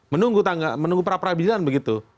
menunggu peraprabilan begitu